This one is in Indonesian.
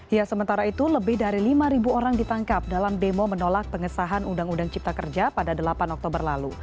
ya sementara itu lebih dari lima orang ditangkap dalam demo menolak pengesahan undang undang cipta kerja pada delapan oktober lalu